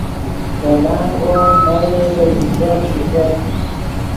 دے لانغو ام مڑے لے ژینگف نیشت